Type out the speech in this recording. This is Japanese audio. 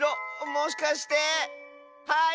もしかして⁉はい！